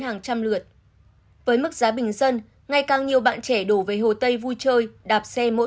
hàng trăm lượt với mức giá bình dân ngày càng nhiều bạn trẻ đổ về hồ tây vui chơi đạp xe mỗi